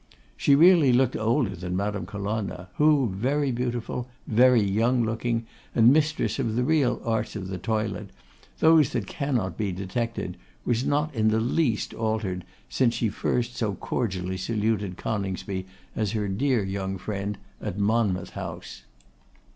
She really looked older than Madame Colonna; who, very beautiful, very young looking, and mistress of the real arts of the toilet, those that cannot be detected, was not in the least altered since she first so cordially saluted Coningsby as her dear young friend at Monmouth House.